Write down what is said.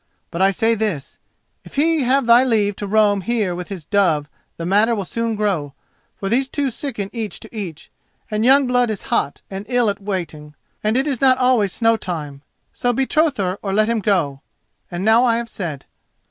But I say this: if he have thy leave to roam here with his dove the matter will soon grow, for these two sicken each to each, and young blood is hot and ill at waiting, and it is not always snow time. So betroth her or let him go. And now I have said."